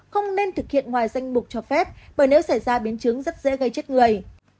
không nên thực hiện ngoài danh mục cho phép bởi nếu xảy ra biến chứng rất dễ gây chết người